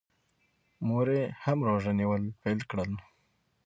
مور یې هم روژه نیول پیل کړل.